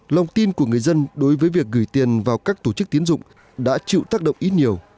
lòng tin của người dân đối với việc gửi tiền vào các tổ chức tiến dụng đã chịu tác động ít nhiều